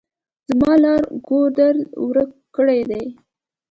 زما لار ګودر ورک کړي دي.